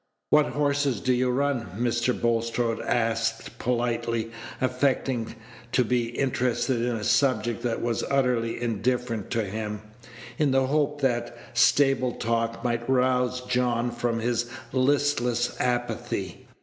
"What horses do you run?" Mr. Bulstrode asked, politely affecting to be interested in a subject that was utterly indifferent to him, in the hope that stable talk might rouse John from his listless apathy.